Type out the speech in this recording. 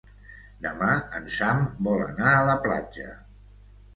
Demà en Sam vol anar a la platja.